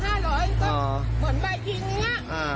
ก็หมดใบจริงเนี่ย